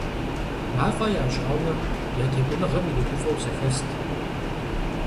МафӀэ ящӀауэ, я текӀуэныгъэм иригуфӀэу зэхэст.